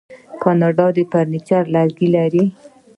کاناډا د فرنیچر لرګي لري.